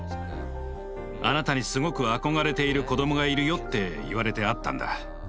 「あなたにすごく憧れている子供がいるよ」って言われて会ったんだ。